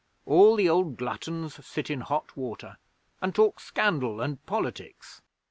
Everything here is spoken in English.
All the old gluttons sit in hot water, and talk scandal and politics.